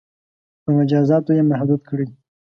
• په مجازاتو یې محدود کړئ.